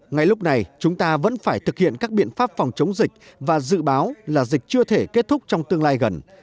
ngay lúc này chúng ta vẫn phải thực hiện các biện pháp phòng chống dịch và dự báo là dịch chưa thể kết thúc trong tương lai gần